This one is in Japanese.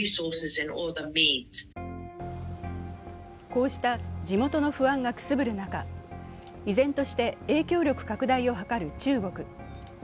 こうした地元の不安がくすぶる中、依然として影響力拡大を図る中国。